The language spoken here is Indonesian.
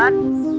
kang mus dimana